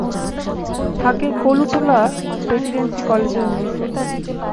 থাকে কলুটোলা প্রেসিডেন্সি কলেজের মেসে।